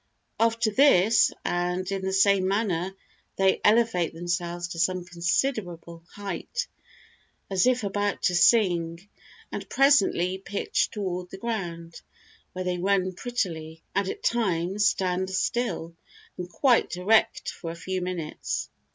After this, and in the same manner, they elevate themselves to some considerable height, as if about to sing, and presently pitch toward the ground, where they run prettily, and at times stand still and quite erect for a few minutes."